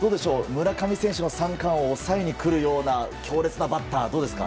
村上選手の三冠王を抑えに来る強烈なバッターはいますか？